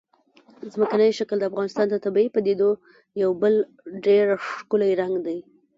ځمکنی شکل د افغانستان د طبیعي پدیدو یو بل ډېر ښکلی رنګ دی.